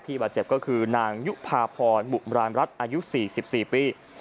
บาดเจ็บก็คือนางยุภาพรบุราณรัฐอายุ๔๔ปี